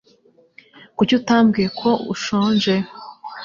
Kuki utabwiye ko ushonje?